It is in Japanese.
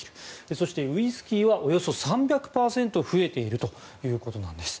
そして、ウイスキーはおよそ３００％増えているということです。